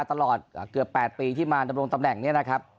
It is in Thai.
ตลอดเกือบ๘ปีที่มาดำรงตำแหน่งนี้นะครับ